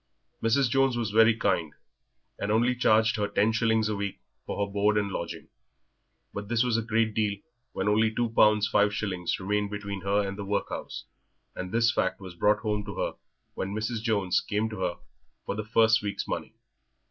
Mrs. Jones was very kind, and only charged her ten shillings a week for her board and lodging, but this was a great deal when only two pounds five shillings remained between her and the workhouse, and this fact was brought home to her when Mrs. Jones came to her for the first week's money.